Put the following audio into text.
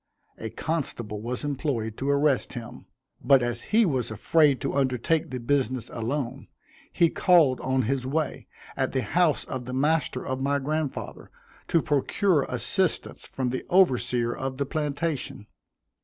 A constable was employed to arrest him, but as he was afraid to undertake the business alone, he called on his way, at the house of the master of my grandfather, to procure assistance from the overseer of the plantation.